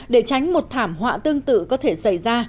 để tránh một thảm họa tương tự có thể xảy ra